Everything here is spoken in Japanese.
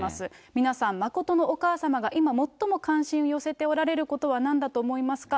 皆さん、真のお母様が今、最も関心を寄せておられることはなんだと思いますか？